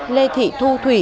lê thị thu thủy